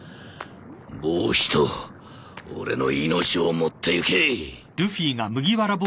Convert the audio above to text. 帽子と俺の命を持っていけ。